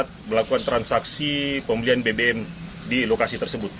kami berhasil melakukan transaksi pembelian bbm di lokasi tersebut